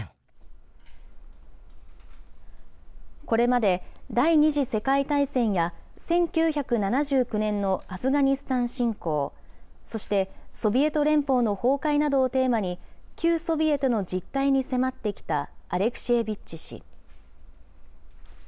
これまで第２次世界大戦や、１９７９年のアフガニスタン侵攻、そして、ソビエト連邦の崩壊などをテーマに、旧ソビエトの実態に迫ってきたアレクシェービッチ氏。